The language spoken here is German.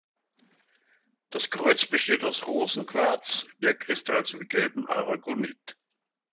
Das Kreuz besteht aus Rosenquarz, Bergkristall sowie gelbem Aragonit.